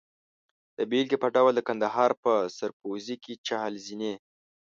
د بېلګې په ډول د کندهار په سرپوزي کې چهل زینې.